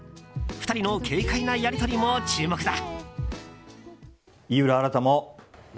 ２人の軽快なやり取りも注目だ。